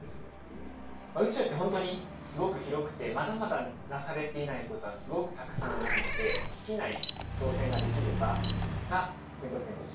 宇宙ってほんとにすごく広くてまだまだなされていないことはすごくたくさんあるので尽きない挑戦ができる場が僕にとっての宇宙だと思ってます。